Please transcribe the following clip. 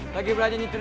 lagi belajar nyitir